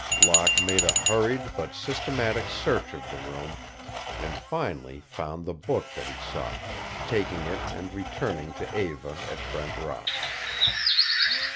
Locke made a hurried but systematic search of the room, and finally found the book that he sought, taking it and returning to Eva at Brent Rock.